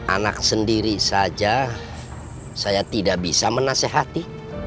anak sendiri saja saya tidak bisa menasehati